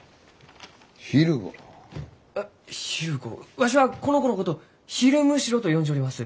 わしはこの子のこと「ヒルムシロ」と呼んじょります。